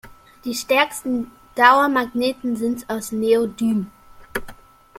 Die stärksten Dauermagnete sind aus Neodym.